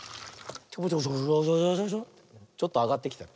ちょっとあがってきたよ。